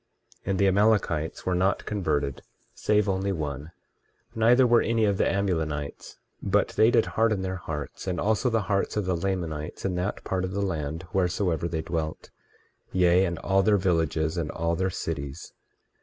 23:14 And the Amalekites were not converted, save only one; neither were any of the Amulonites; but they did harden their hearts, and also the hearts of the Lamanites in that part of the land wheresoever they dwelt, yea, and all their villages and all their cities.